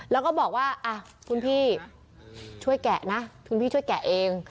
แล้วก็บอกว่าคุณพี่ช่วยแกะนะคุณพี่ช่วยแกะเอง